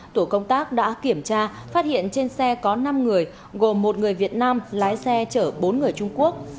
tổ công tác đã kiểm tra phát hiện trên xe có năm người gồm một người việt nam lái xe chở bốn người trung quốc